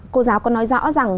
cô giáo có nói rõ rằng